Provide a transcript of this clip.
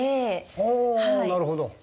はぁ、なるほど。